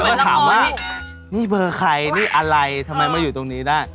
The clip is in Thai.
ก็ถามว่านี่เบอร์ใครนี่อะไรทำไมมาอยู่ตรงนี้ได้